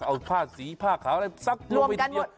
เอาผ้าสีผ้าขาวอะไรซักลงไปทีเดียว